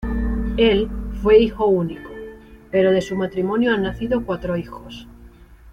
Él fue hijo único, pero de su matrimonio han nacido cuatro hijos.